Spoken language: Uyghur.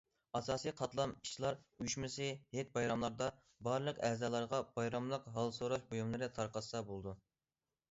ئاساسىي قاتلام ئىشچىلار ئۇيۇشمىسى ھېيت- بايراملاردا بارلىق ئەزالارغا بايراملىق ھال سوراش بۇيۇملىرى تارقاتسا بولىدۇ.